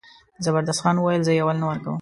زبردست خان وویل زه یې اول نه ورکوم.